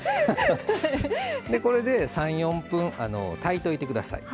これで３４分炊いといて下さい。